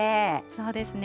そうですね。